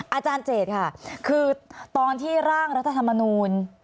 อาจารย์เจตค่ะคือตอนที่ร่างรัฐธรรมนูล